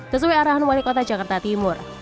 sesuai arahan wali kota jakarta timur